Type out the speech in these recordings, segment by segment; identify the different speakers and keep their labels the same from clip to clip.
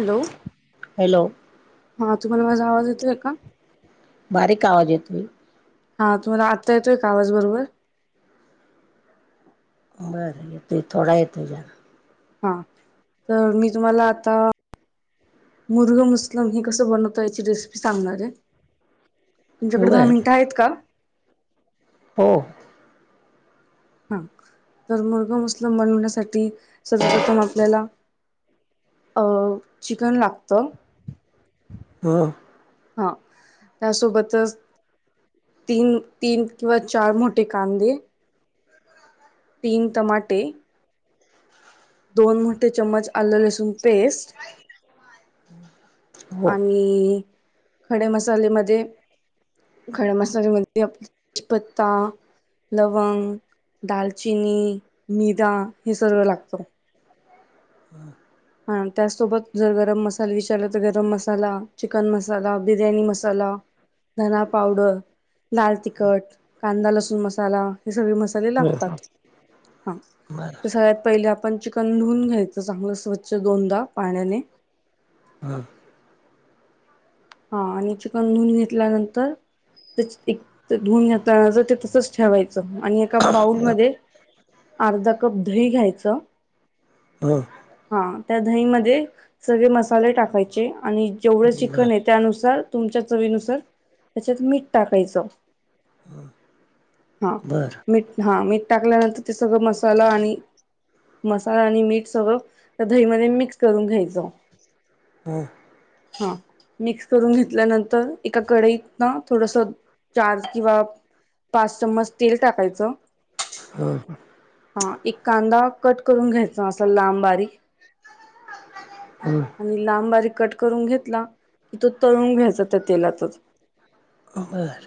Speaker 1: Hello
Speaker 2: hello
Speaker 1: हा तुम्हाला माझा आवाज येतोय का?
Speaker 2: बारीक आवाज येतोय.
Speaker 1: हा तुम्हाला आत्ता येतोय का आवाज बरोबर?
Speaker 2: बरं येतोय थोडा येतोय जरा.
Speaker 1: हा तर मी तुम्हाला आता. मुर्ग मुस्लम हे कसं बनवतो याची रेसिपी सांगणारेय. तुमच्याकडे दहा
Speaker 2: बर
Speaker 1: मिनिटं आहेत का?
Speaker 2: हो.
Speaker 1: हा, तर मुर्गा मुस्लिम बनवण्यासाठी सर्वप्रथम आपल्याला. अ चिकन लागतं.
Speaker 2: ह.
Speaker 1: हा त्यासोबतच. तीन, तीन किंवा चार मोठे कांदे. तीन टमाटे. दोन मोठे चम्मच आलं लसूण पेस्ट.
Speaker 2: हो
Speaker 1: आणि खडे मसालेमध्ये. खडम मसाल्यामध्ये आप बजपत्ता. लवंग, दालचिनी, निदा हे सगळ लागत.
Speaker 2: [inaudible]
Speaker 1: हा त्याचसोबत जर गरम मसाला विचारला तर गरम मसाला, चिकन मसाला, बिर्याणी मसाला. धना पावडर. लाल तिखट कांदा लसूण मसाला हे सगळे मसाले
Speaker 2: बरं
Speaker 1: लागतात [inaudible] [inaudible] हा
Speaker 2: बरं
Speaker 1: सगळ्यात पहिली आपण कधून घ्यायचं चांगलं स्वच्छ दोनदा पाण्याने [inaudible]
Speaker 2: हा [inaudible]
Speaker 1: हा आणि चिकन धुून घेतल्यानंतर [inaudible] [inaudible] एकधुन घाताणाच ते तसच ठेवायचं आणि एका बाऊल [inaudible] मधी अर्धा कप दही घ्यायच [inaudible]
Speaker 2: हं
Speaker 1: हा त्या दही म सगळे मसाले टाकायचे आणि जेवढं
Speaker 2: बरं
Speaker 1: चिकन येत त्याुस तुमच्या चवीनुसार [inaudible] त्याच्यात मीठ टाकायचं [inaudible] हा
Speaker 2: बरं
Speaker 1: मीठ हा मीठ टाकल्यानंतर ते सगळं मसाला आणि [inaudible] मसाला आणि मीठ सगळं त्या दही म मिक्स करून घ्यायचं
Speaker 2: हा [inaudible]
Speaker 1: हा [inaudible] मिक्स करून घेतल्यानंतर एका कढईत ना थोडस चार किंवा [inaudible] पाच चम्मच तेल टाकायचं
Speaker 2: हं
Speaker 1: [inaudible] हा एक कांदा कट करून घेत
Speaker 2: [inaudible] हम
Speaker 1: ून घेतला की तो [inaudible] तळून घ्यायच त्या तेलातच [inaudible]
Speaker 2: बरं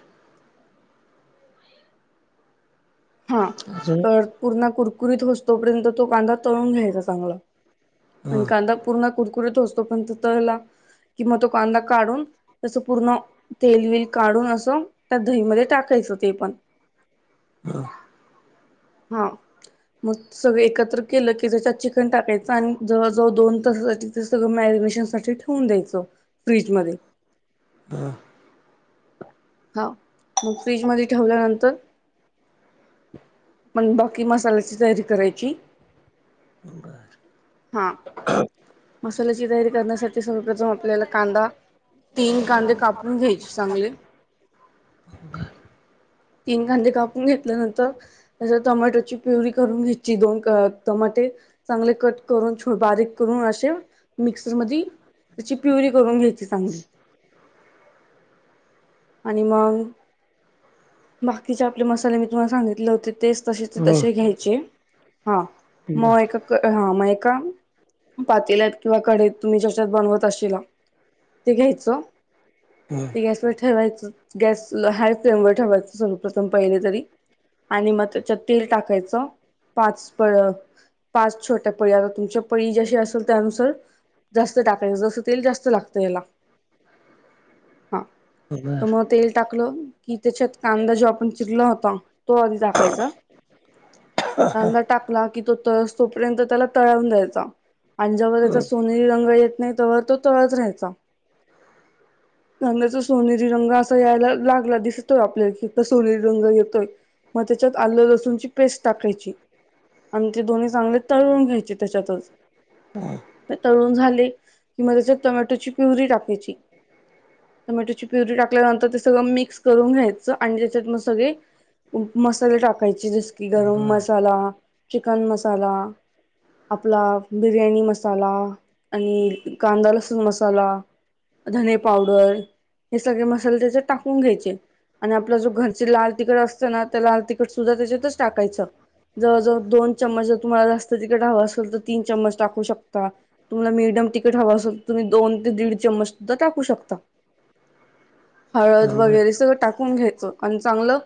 Speaker 1: [inaudible] हा
Speaker 2: अजून
Speaker 1: तर पूर्ण कुरकुरीत होतोपर्यंत तो कांदा तळून घ्यायचा चांगला [inaudible] आणि
Speaker 2: हं
Speaker 1: कांदा पूर्ण कुरकुरीत हो असतो पण त तला किंवा तो कांदा काढून त्यास पूर्ण तेल विल काढून असं त्या दहीमध्ये टाकायचं ते पण [inaudible]
Speaker 2: ह [inaudible]
Speaker 1: हा [inaudible] मग सगळं एकत्र केलं की त्याच्यात चिकन टाकायचं आणि जवळजवळ दोन तासासाठी सगळं म ठेून द्याय फ्रीझ मध्य
Speaker 2: हा [inaudible]
Speaker 1: [inaudible] हा मग फ्रीज म ठेवल्यानंतर [inaudible] मसाल्याची तयारी करायची
Speaker 2: [inaudible]
Speaker 1: [inaudible] हा मसाल्याची तयारी करण्यासाठी सर्वप्रथम आपल्याला कांदा तीन कांदे कापून घ्यायचे चांगले [inaudible]
Speaker 2: [inaudible] बबर
Speaker 1: तीन कांदे कापून घेतल्यानंतर [inaudible] टमॅटोची प्यवरी करून घ्यायची दोन टमाटे चांगले कट करून बारीक करून मिक्सर मधी तायाची पुइरी करून घ्याय चांगली [inaudible] आणि मग [inaudible] बाकीचे आपले मसाले मी तुम्हाला सांगितले होते तेच तसे ते
Speaker 2: हं
Speaker 1: तसे घ्यायचे हा
Speaker 2: बरं
Speaker 1: मग ए हा मग एका [inaudible] पातेल्यात किंवा कडे तुम्ही जच्यात बनवत असेल [inaudible] ते घ्यायचं
Speaker 2: हं बरं बरं हं
Speaker 1: [inaudible] गॅसवर ठेवायचं गॅस हाय फ्लेम वर ठेरवायचं सर्वप्रथम पहिले तरी आणि मग त्याच्या तेल टाकायचं [inaudible] [inaudible] पाच पळ पाच छोट्या पळी आता तुमच्या पळी ज्याशी असेल त्यानुसार जास्त टाकायचं जसं तेल जास्त लागतं याला हा [inaudible]
Speaker 2: हं
Speaker 1: [inaudible] त
Speaker 2: बरं
Speaker 1: मग तेल टाकलं कि त्याच्यात कांदा जो आपण चिरला होता तो आधी टाकायचा [inaudible] नंदर टाकला की तो त तोपर्यंत त्याला तळावून द्यायचा [inaudible] आणि ज्यावर त्याचा सोनेरी रंग येत नाही [inaudible] तो तच राहायचा त सोनेरी रंग असा यायला लागला दिसतोय आपल्या की सोनेरी रंग येतोय मग त्याच्यात आलं लसूणची पेस्ट टाकायची आणि ते दोन्ही चांगले तळून घ्यायचे त्याच्यातच
Speaker 2: बरं हं
Speaker 1: तळून झाले कि मग त्याच्यात टोमॅटोची प्युरी टाकायची टोमॅटोची प्युरी टाकल्यानंतर ते सगळं मिक्स करून घ्यायचं आणि त्याच्यात मग सगळे मसाले टाकायचे जस की
Speaker 2: बरं हं
Speaker 1: गरम
Speaker 2: बरं
Speaker 1: मसाला चिकन मसाला आपला बिर्याणी मसाला आणि कांदा लसूण मसाला धने पावडर हे सगळे मसाले त्याच्यात टाकून घ्यायचे आणि आपलं जो घरचे लाल तिकखट असतं ना त्या लाल तिकट सुद्धा त्याच्यातच टाकायचं जवव दोन चमच जर तुम्हाला जास्त तिखट असेल तर तीन चममच टाकू शकता तुम हवा असेल तुम्ही दोन ते दीड चमच सुद्धा टाकू शकता
Speaker 2: हं बरं
Speaker 1: हळद
Speaker 2: हं
Speaker 1: वगैरे सगळं टाकून घ्यायचं आणि चांगलं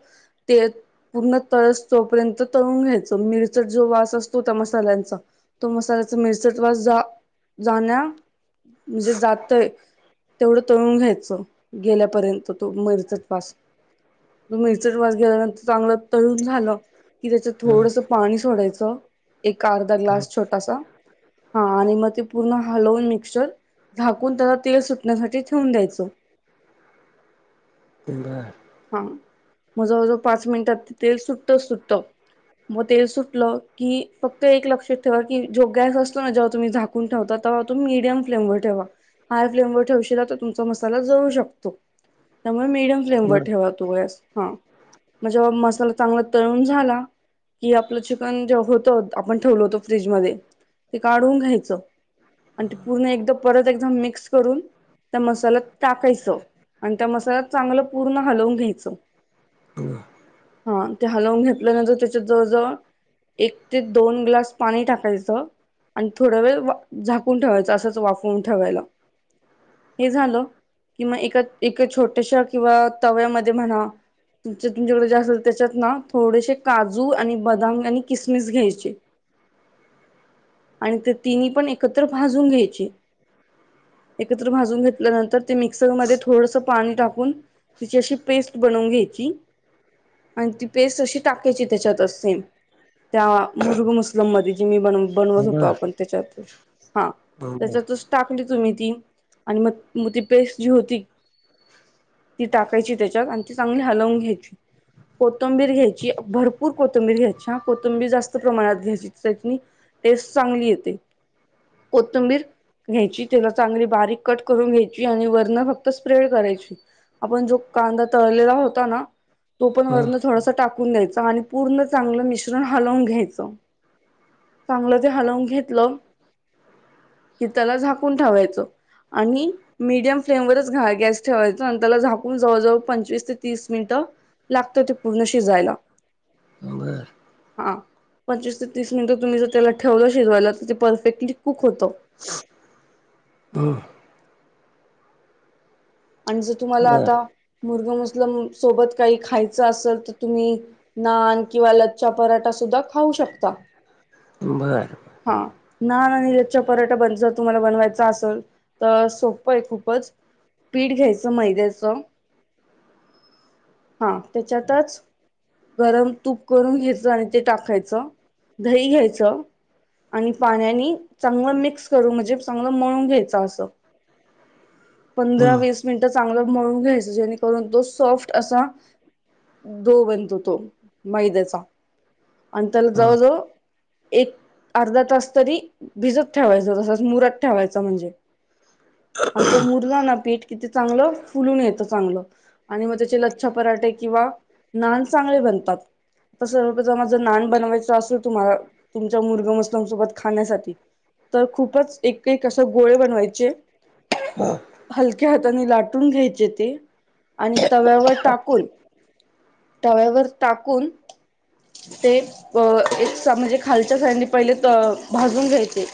Speaker 1: तेल पूर्ण तळस तोपर्यंत तळून घ्यायच मिरच जो वास असतो त्या मसाल्यांचा तो मसाला त्या मिरसवास जा जाण्या म्हणजे जातय तेवढं तळून घ्यायच गेल्यापर्यंत तो मरचत वास तो मिरचट वास गेल्यानंतर चांगलं तळून झालं की त्याच्यात थोडस पाणी थोड्या एक अर्धा ग्लास छोटासा हा आणि मग ते पूर्ण हलवून मिक्चर झाकून त्याला तेल सुटण्यासाठी ठेवून द्यायचं
Speaker 2: बंगार
Speaker 1: जवळ जवळ पाच मिनिटात ते तेल सुटतच सुटत मग तेल सुटलं की फक्त एक लक्षात ठेवा की जो गॅस असतो ना जेव्हा तुम्ही झाकून ठेवतात तेवढा तो मीडियम फ्लेम वर ठेवा हाय फ्लेम वर ठेवशला तर तुमचा मसाला जळू शकतो त्यामुळे मीडियम फ्लेम वर ठेवातो गॅस हा जेव्हा मसाला चांगला तळून झाला कि आपलं चिकन जे होत आपण ठेवल होतो फ्रिजमध्ये ते काढून घ्याच अणि ते पुर्ण एकदा परत एकदा मिक्स करून त्या मसाल्यात टाकाच अणि त्या मसाल्यात चांगल हलवून घ्यायच हा ते हलवून घेतल्यानंतर त्याच्या जवळ जवळ एक ते दोन ग्लास पाणी टाकायचं आणि थोडं वेळ झाकून ठेवायचं असंच वाफवून ठेवायला हे झालं कि म एका एका छोट्याशा किंवा तव्यामध्ये म्हणा तम तुमच्याकडे जे असेल त्याच्यात ना थोडेसे काजू आणि बदाम आणि किसमिस घ्यायचे आणि ते तिन्ही पण एकत्र भाजून घ्यायचे एकत्र भाजून घेतल्यानंतर ते मिक्सर मध्ये थोडस पाणी टाकून तिची अशी पेस्ट बनवून घ्यायची आणि ती पेस्ट अशी टाकायची त्याच्यातच सेम त्या मुरग मुस्लम मध्ये जी मी बन बनवत होतो आपण तिच्यातच टाकली तर तुम्ही ती आणि मग ती पेस्ट जी होती ती टाकायची त्याच्यात आणि ती चांगली हलवून घ्यायची कोथंबीर घ्यायची भरपूर कोथंबीर घ्यायची कोथंबीर जास्त प्रमाणात घ्यायची चटणी टेस्ट चांगली येते कोथिंबीर घ्यायची त्याला चांगली बारीक कट करून घ्यायची आणि वरण फक्त स्प्रेड करायची आपण जो कांदा तळलेला होता ना तो पण वरण थोडासा टाकून द्यायचा आणि पूर्ण चांगलं मिश्रण हलवून घ्यायचं चांगलं ते हलवून घेतलं की त्याला झाकून ठेवायचं आणि मिडियम फ्लेम वरच गॅस ठेवायचा आणि त्याला झा जवळ जवळ पंचवीस ते तीस मिनिट लागत ते पूर्ण शिजायला हा पंचवीस ते तीस मिनिट तुम्ही जर त्याला ठेवलं शिजवायला तर ते परफेक्टली कुक होत. आणि जर तुम्हाला
Speaker 2: बरं
Speaker 1: आता मुर्गा मस्लम सोबत काही खायच असेल तर तुम्ही नान किंवा ल- पराठा सुद्धा खाऊ शकता
Speaker 2: बरं
Speaker 1: हा. नान आणि लच्च्या पराठा बन जर तुम्हाला बनवायचा असेल तर सोपं आहे खूपच. पीठ घ्यायचं मैद्याच हा त्याच्यातचं. गरम तूप करून घ्यायचं आणि ते टाकायचं दही घ्यायचं. आणि पाण्याने चांगलं मिक्स करून म्हणजे चांगलं मळून घ्यायच असं. पंधरा
Speaker 2: हं
Speaker 1: वीस मिनिट. चांगलं मळून घ्यायच जेणेकरून तो सॉफ्ट असा. दो बनतो तो मैद्याचा. आणि त्याला
Speaker 2: हं
Speaker 1: जवळजवळ एक अर्धा तास तरी भिजतं. ठेवायच तसच मुरात ठेवायच म्हणजे आणि तो मु- पीठ कि चांगलं फुलून येत चांगल आणि मग त्या लच्छा पराठे किंवा नान. चांगले बनतात. तसं माझं नान बनवायच असेल तुम्हाला तुमच्या मुरगम मस्लम सोबत खाण्यासाठी. तर खूपच एक एकसं गोळे बनवायचे.
Speaker 2: [inaudible]
Speaker 1: हलक्या हाताने लाटून घ्यायचे ते आणि तव्यावर टाकून तव्यावर टाकून. ते म्हणजे खालच्या साइडने पहिले भाजून घ्यायचे.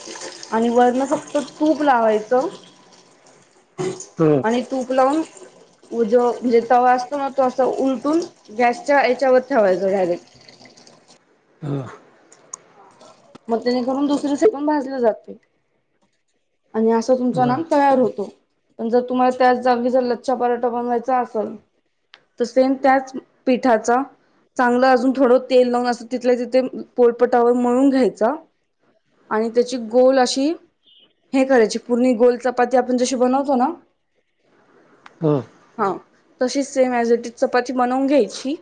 Speaker 1: आणि वरण फक्त तूप लावायचं.
Speaker 2: बर
Speaker 1: आणि
Speaker 2: हां
Speaker 1: तूप लावून उ जो. म्हणजे तवा असतो ना तो अस उलटून गॅसच्या याच्यावर ठेवायचो डायरेक्ट. [unintelligible]
Speaker 2: ह.
Speaker 1: मग जेणेकरून दुसर साइड पण भाजले जाते. आणि असं तुमचां नान
Speaker 2: बर
Speaker 1: तयार होतो. पण जर तुम्हाला त्याच जागी जर लच्छा पराठा बनवायचा असेल, तसे त्याच पिठाचा. चांगलं अजून थोडं तेल लावून असं तिथल्या तिथे पोलपटावर मळून घ्यायचा. आणि त्याची गोल अशी. हे करायचे पूर्णी गोल चपाती आपण जशी बनवतो ना.
Speaker 2: हम.
Speaker 1: ह तशीच सेम एज इट इज चपाती बनवून घ्यायची.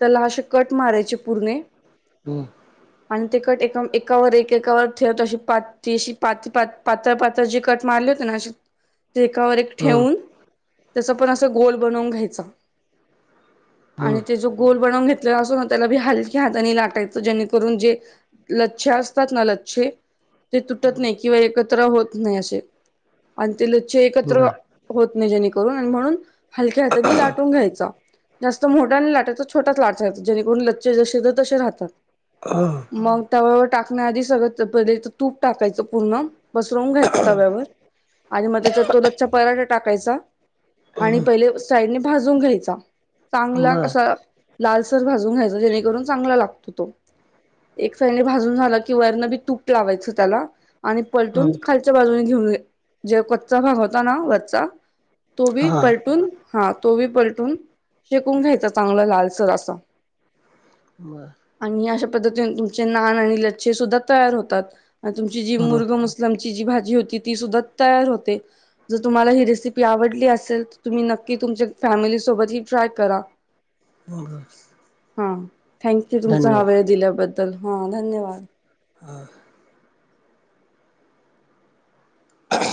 Speaker 1: त्याला अशे कट मारायचे पुरणे. आणि ते कट ए एकावर एक एकावर ठेवत अशी पाचीशी पाच पा. पातळ पातळ जी कट मारली होती ना एकावर एक ठेवून. त्याच पण असं गोल बनवून घ्यायचा. आणि ते जो गोल बनवून घेतलेला असो ना त्यालाी हलक्या हाताने लाटायचं जेणेकरून जे ल असतात ना लच्छ ते तुटत नाही किंवा एकत्र होत नाही असे. आणि ते ल्चे एकत्र होत नाही जेणेकरून आणि म्हणून हलक्या हाताने लाटून घ्यायचा. जास्त मोठ्या आणि लाटाचा छोटाच लाटा येतो जेणेकरून लच्छे जसे तर तसे राहतात. मग तव्यावर टाकण्याआधी सगळं पहिले तर तूप टाकायचं पूर्ण. पसरवून घ्यायचा तव्यावर आणि मग त्याच्या तो लच्छा पराठा टाकायचा. आणि पहिले साईडने भाजून घ्यायचा. चांगला असा लालसर भाजून घ्यायचा जेणेकरून चांगला लागतो तो. एक साईने भाजून झाला की वरन बी तूप लावायचं त्याला आणि. पलटून खालच्या बाजूने घेऊन जे कच्चा भाग होता ना वरचा. तो बी पलटून हा तो बी पलटून. शेकून घ्यायचं चांगलं लालसर असा
Speaker 2: बर
Speaker 1: आणि अशा पद्धतीने तुमचे नान आणि लच्छे सुद्धा तयार होतात आणि तुमची जी मुर्गस् जी भाजी होती ती सुद्धा तयार होते जर तुम्हाला ही रेसिपी आवडली असेल तर तुम्ही नक्की नक्की तुमच्या फॅमिली सोबत हे ट्राय करा
Speaker 2: हम
Speaker 1: हम्म थँक यू तुमचा हा वेळ
Speaker 2: धन्यवाद
Speaker 1: दिल्याबद्दल हा धन्यवाद
Speaker 2: हां